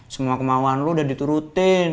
semua kemauan lu udah diturutin